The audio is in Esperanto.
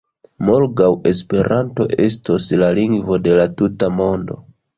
Morgaŭ Esperanto estos la lingvo de la tuta Mondo!